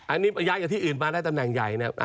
อันนี้ย้ายจากที่อื่นมาได้ตำแหน่งใหญ่เนี่ย